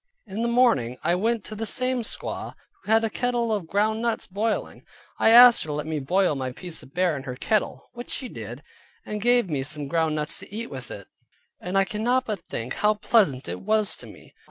In the morning I went to the same squaw, who had a kettle of ground nuts boiling. I asked her to let me boil my piece of bear in her kettle, which she did, and gave me some ground nuts to eat with it: and I cannot but think how pleasant it was to me.